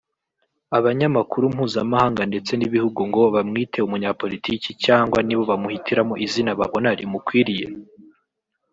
abanyamakuru mpuzamahanga ndetse n’ibihugu ngo bamwite umunyapolitiki cyangwa nibo bamuhitiramo izina babona rimukwiriye